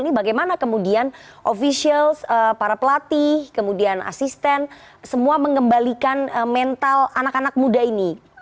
ini bagaimana kemudian officials para pelatih kemudian asisten semua mengembalikan mental anak anak muda ini